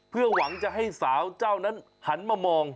เพื่อหวังจะให้สาวเจ้านั้นหันมามอง